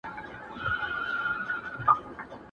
پلار دزویه حرام غواړي نه شرمېږي,